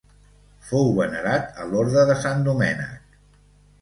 Fou venerat a l'Orde de Sant Domènec.